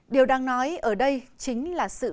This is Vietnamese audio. điều đáng nói ở đây chính là sự di tích của hà nội